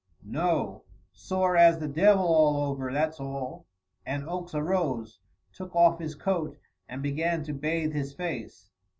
"No; sore as the devil all over, that's all," and Oakes arose, took off his coat, and began to bathe his face.